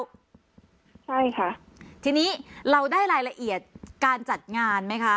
ใช่ค่ะทีนี้เราได้รายละเอียดการจัดงานไหมคะ